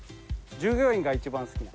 従業員が一番好きな。